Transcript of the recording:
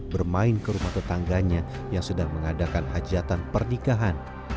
bermain ke rumah tetangganya yang sedang mengadakan hajatan pernikahan